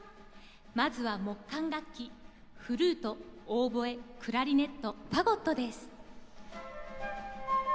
まずは木管楽器フルートオーボエクラリネットファゴットです。